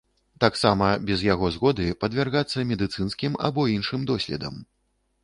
Таксама без яго згоды падвяргацца медыцынскім або іншым доследам.